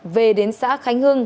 về đến xã khánh hưng